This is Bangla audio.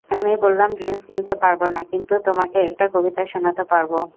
আমি বললাম, ড্রিংকস কিনতে পারব না, কিন্তু তোমাকে একটা কবিতা শোনাতে পারব।